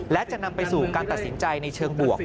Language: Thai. และจะนำไปสู่การตัดสินใจในเชิงบวก